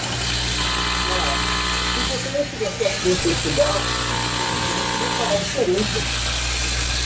Mas se você não estiver propenso a estudar, o silêncio não fará diferença.